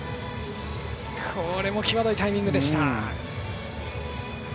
これも際どいタイミングでした。